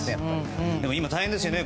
でも今大変ですよね